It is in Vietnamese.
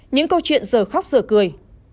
những câu chuyện giờ khóc giờ cười